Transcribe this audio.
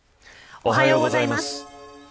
おはようございます。